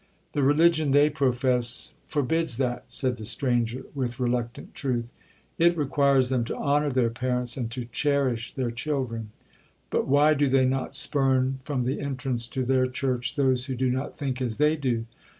'—'The religion they profess forbids that,' said the stranger, with reluctant truth; 'it requires them to honour their parents, and to cherish their children.'—'But why do they not spurn from the entrance to their church those who do not think as they do?'